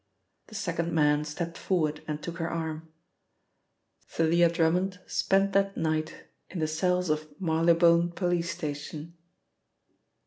The second man stepped forward and took her arm. Thalia Drummond spent that night in the cells of Marylebone Police Station.